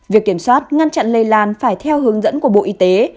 việc kiểm soát ngăn chặn lây lan phải theo hướng dẫn của bộ y tế